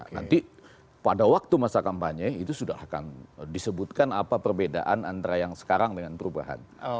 nanti pada waktu masa kampanye itu sudah akan disebutkan apa perbedaan antara yang sekarang dengan perubahan